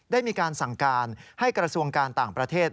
ได้มีการสั่งการให้กระทรวงการต่างประเทศ